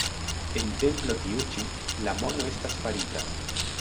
En templo tiu ĉi la mono estas farita.